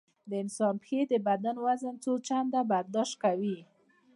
د انسان پښې د بدن وزن څو چنده برداشت کوي.